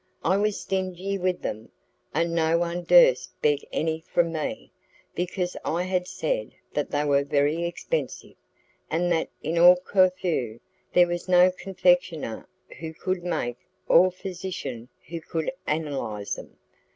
I was stingy with them, and no one durst beg any from me, because I had said that they were very expensive, and that in all Corfu there was no confectioner who could make or physician who could analyse them.